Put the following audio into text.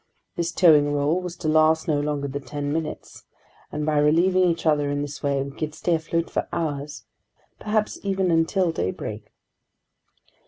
This towing role was to last no longer than ten minutes, and by relieving each other in this way, we could stay afloat for hours, perhaps even until daybreak.